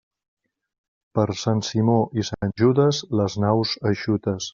Per Sant Simó i Sant Judes, les naus eixutes.